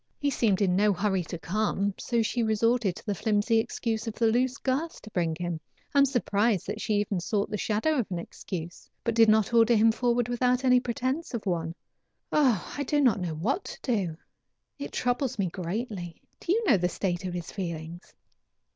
He seemed in no hurry to come, so she resorted to the flimsy excuse of the loose girth to bring him. I am surprised that she even sought the shadow of an excuse, but did not order him forward without any pretense of one. Oh! I don't know what to do. It troubles me greatly. Do you know the state of his feelings?"